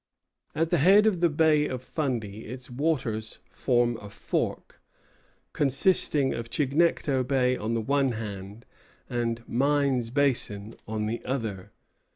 At the head of the Bay of Fundy its waters form a fork, consisting of Chignecto Bay on the one hand, and Mines Basin on the other.